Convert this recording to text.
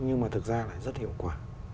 nhưng mà thực ra là rất hiệu quả